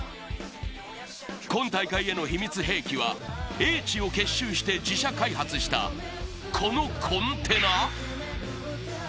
今大会への秘密兵器は英知を結集して自社開発したこのコンテナ。